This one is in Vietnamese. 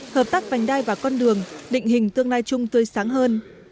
hợp tác vành đai và con đường định hình tương lai chung tươi sáng hơn